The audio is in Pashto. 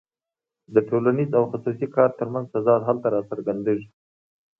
د ټولنیز او خصوصي کار ترمنځ تضاد هلته راڅرګندېږي